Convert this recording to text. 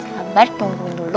sabar tunggu dulu